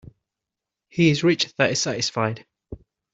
He is rich that is satisfied.